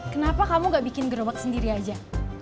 kenapa kamu gak bikin gerobak sendiri aja